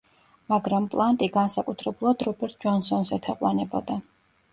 მაგრამ პლანტი განსაკუთრებულად რობერტ ჯონსონს ეთაყვანებოდა.